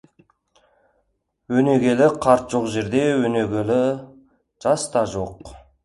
Өнегелі қарт жоқ жерде өнерлі жас та жоқ.